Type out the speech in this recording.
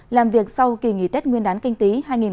làm việc sau kỳ nghỉ tết nguyên đán canh tí hai nghìn hai mươi